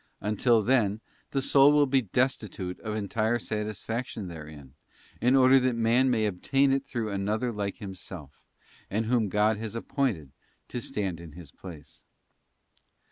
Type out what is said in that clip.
Until then, the soul will be destitute of entire satisfaction therein, in order that man may obtain it through another like himself, and whom God has appointed to stand in His place.